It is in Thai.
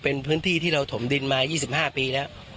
เป็นพื้นที่ที่เราถมดินมา๒๕ปีแล้ว